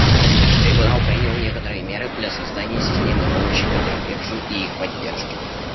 Трибунал принял некоторые меры для создания системы помощи потерпевшим и их поддержки.